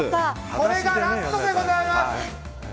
これがラストでございます。